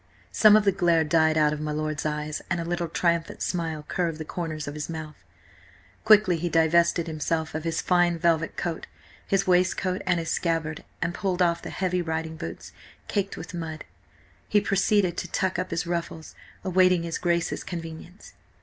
Some of the glare died out of my lord's eyes, and a little triumphant smile curved the corners of his mouth. Quickly he divested himself of his fine velvet coat, his waistcoat and his scabbard, and pulled off the heavy riding boots, caked with mud. He proceeded to tuck up his ruffles, awaiting his Grace's convenience.